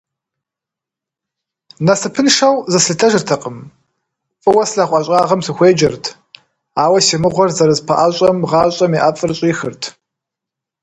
Насыпыншэу зыслъытэжыртэкъым, фӀыуэ слъагъу ӀэщӀагъэм сыхуеджэрт, ауэ си мыгъуэр зэрыспэӀэщӀэм гъащӀэм и ӀэфӀыр щӀихырт.